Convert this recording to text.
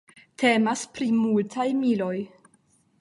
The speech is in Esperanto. Temas pri multaj miloj.